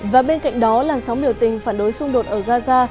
và bên cạnh đó làn sóng biểu tình phản đối xung đột ở gaza